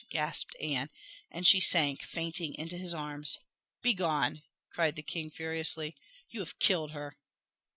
gasped Anne, and she sank fainting into his arms. "Begone!" cried the king furiously. "You have killed her!"